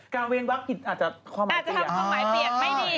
กาเวนวัคกิตอาจจะทำความหมายเปลี่ยน